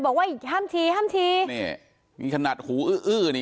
บอกว่าห้ามชีห้ามชีนี่มีขนาดหูอื้ออื้อนี่